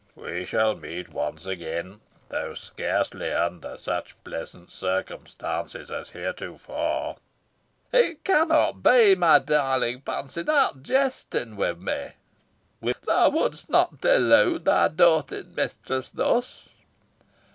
We shall meet once again, though scarcely under such pleasant circumstances as heretofore." "It cannot be, my darling Fancy; thou art jesting with me," whimpered the hag; "thou wouldst not delude thy doating mistress thus."